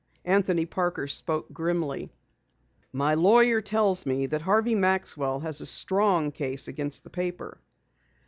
Anthony Parker spoke grimly. "My lawyer tells me that Harvey Maxwell has a strong case against the paper."